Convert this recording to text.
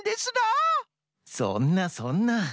そんなそんな。